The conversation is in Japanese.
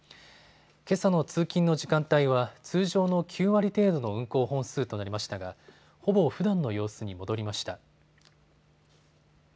けさの通勤の時間帯は通常の９割程度の運行本数となりましたがほぼふだんの様子に戻りました。